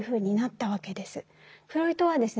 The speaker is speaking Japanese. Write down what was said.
フロイトはですね